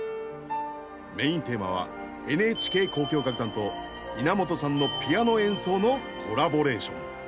メインテーマはＮＨＫ交響楽団と稲本さんのピアノ演奏のコラボレーション。